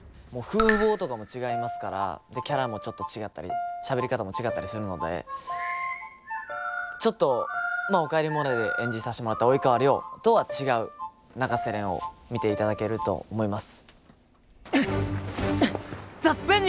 もう風貌とかも違いますからキャラもちょっと違ったりしゃべり方も違ったりするのでちょっと「おかえりモネ」で演じさせてもらった及川亮とは違う永瀬廉を見ていただけると思います。